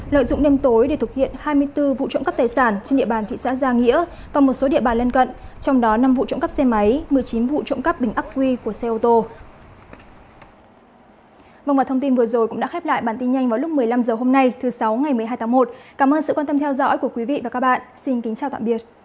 lợi dụng đêm tối để thực hiện hai mươi bốn vụ trộm cắp tài sản trên địa bàn thị xã gia nghĩa và một số địa bàn lân cận trong đó năm vụ trộm cắp xe máy một mươi chín vụ trộm cắp bình ác quy của xe ô tô